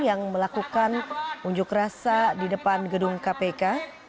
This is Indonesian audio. yang melakukan unjuk rasa di depan gedung kpk